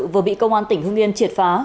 vừa bị công an tỉnh hương yên triệt phá